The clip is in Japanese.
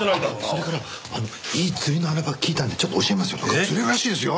それからいい釣りの穴場聞いたんでちょっと教えますよ。